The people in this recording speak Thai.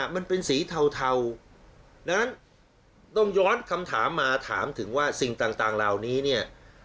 มันเป็นสีเทาต้องย้อนคำถามมาถามถึงว่าสิ่งต่างราวนี้